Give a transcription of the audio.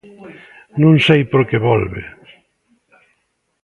Non sei por que volve.